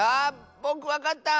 ぼくわかった！